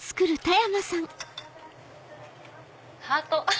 ハート！